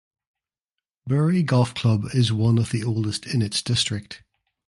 Bury Golf Club is one of the oldest in its district.